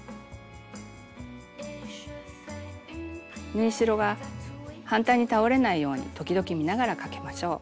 縫い代が反対に倒れないように時々見ながらかけましょう。